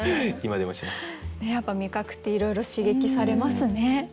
やっぱり味覚っていろいろ刺激されますね。